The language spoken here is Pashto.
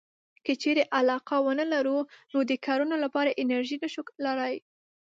که چېرې علاقه ونه لرو نو د کړنو لپاره انرژي نشو لرلای.